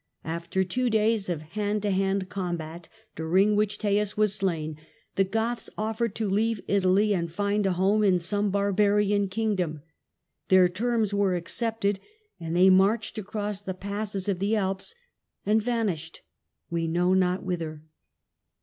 After two days of hand to hand com bat, during which Teias was slain, the Goths offered to leave Italy and find a home in some barbarian kingdom. Their terms were accepted, and they marched across the passes of the Alps and vanished — we know not whither.